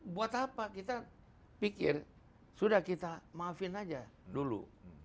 buat apa kita pikir sudah kita maafin aja dulu